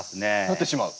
なってしまう。